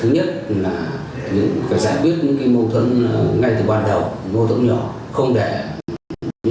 tội ác do mâu thuẫn gia đình rất khó xác định trước vì nhiều mâu thuẫn vốn là thuận tệ hạ